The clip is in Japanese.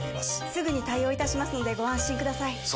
すぐに対応いたしますのでご安心ください